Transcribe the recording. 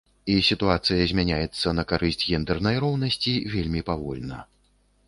І сітуацыя змяняецца на карысць гендэрнай роўнасці вельмі павольна.